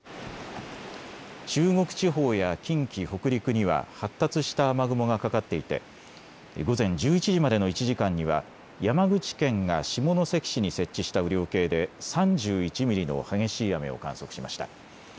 中国地方や近畿、北陸には発達した雨雲がかかっていて午前１１時までの１時間には山口県が下関市に設置した雨量計で３１ミリの激しい雨を観測しました。